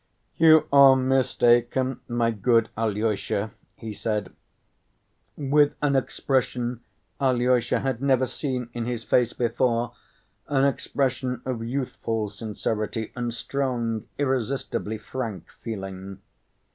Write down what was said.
"You are mistaken, my good Alyosha," he said, with an expression Alyosha had never seen in his face before—an expression of youthful sincerity and strong, irresistibly frank feeling.